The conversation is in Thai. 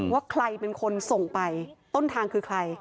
ว่าใครเป็นคนส่งไปต้นทางคือใคร